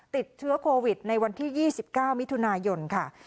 ติดเชื้อโควิดในวันที่๒๙มิถุนายนค่ะ